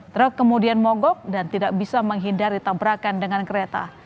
truk kemudian mogok dan tidak bisa menghindari tabrakan dengan kereta